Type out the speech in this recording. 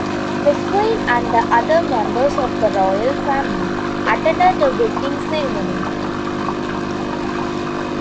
The Queen and other members of the Royal Family attended the wedding ceremony.